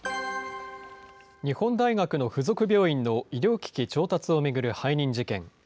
日本大学の付属病院の医療機器調達を巡る背任事件。